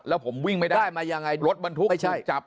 แล้วผมวิ่งไม่ได้รถบรรทุกถูกจับ